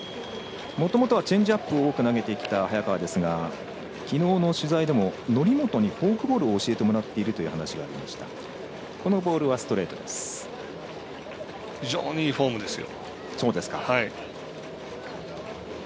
もともとはチェンジアップを多く投げていた早川ですがきのうの取材でも則本にフォークボールを教えてもらっているという非常にいいフォームですよ。